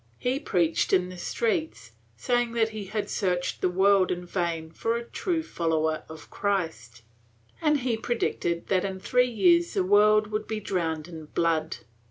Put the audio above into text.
He preached in the streets, saying that he had searched the world in vain for a true follower of Christ, and he predicted that in three years the world would be drowned in blood.